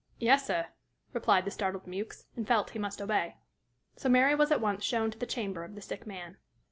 "Yes, sir," replied the startled Mewks, and felt he must obey. So Mary was at once shown to the chamber of the sick man.